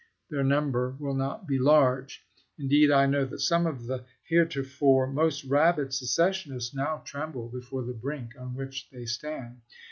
Their number will not be large. Indeed, I know that some of the heretofore most rabid secessionists now tremble before the brink on which they stand.